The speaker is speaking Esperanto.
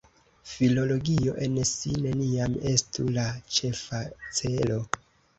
Filologio en si neniam estu la ĉefa celo.